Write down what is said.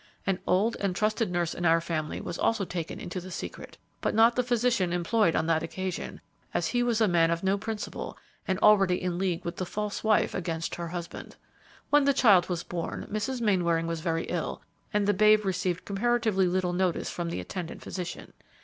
An old and trusted nurse in our family was also taken into the secret, but not the physician employed on that occasion, as he was a man of no principle and already in league with the false wife against her husband. When the child was born, Mrs. Mainwaring was very ill and the babe received comparatively little notice from the attendant physician.